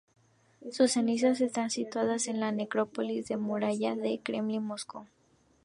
Sus cenizas están situadas en la Necrópolis de la Muralla del Kremlin de Moscú.